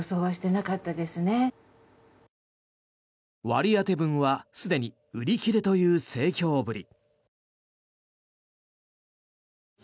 割り当て分はすでに売り切れという盛況ぶり。